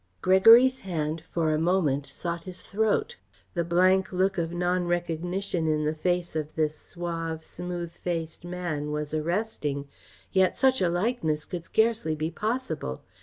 Gregory's hand for a moment sought his throat. The blank look of non recognition in the face of this suave, smooth faced man was arresting. Yet such a likeness could scarcely be possible.